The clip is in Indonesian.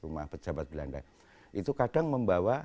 rumah pejabat belanda itu kadang membawa